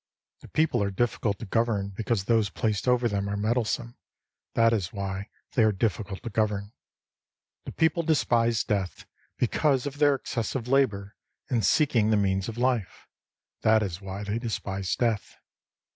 The people are difficult to govern because those placed over them are meddlesome ; that is why they are difficult to govern. The people despise death because of their excessive labour in seeking the means of life ; that is why they despise death.